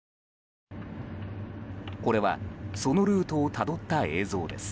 これはそのルートをたどった映像です。